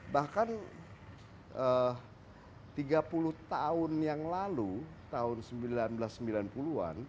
bahkan tiga puluh tahun yang lalu tahun seribu sembilan ratus sembilan puluh an